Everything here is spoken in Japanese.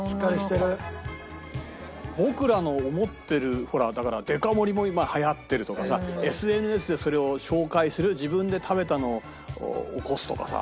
僕らの思ってるほらだからデカ盛りも今はやってるとかさＳＮＳでそれを紹介する自分で食べたのを起こすとかさ。